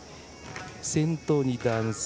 先頭に男性